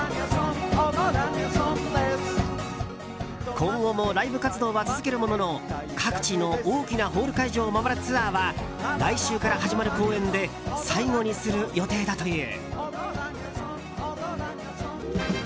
今後もライブ活動は続けるものの各地の大きなホール会場を回るツアーは来週から始まる公演で最後にする予定だという。